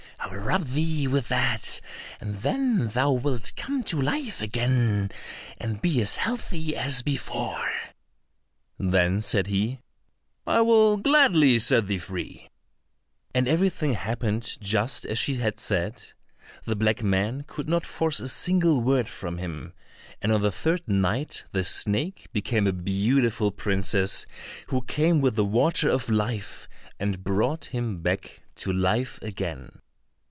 I will rub thee with that, and then thou wilt come to life again, and be as healthy as before." Then said he, "I will gladly set thee free." And everything happened just as she had said; the black men could not force a single word from him, and on the third night the snake became a beautiful princess, who came with the water of life and brought him back to life again.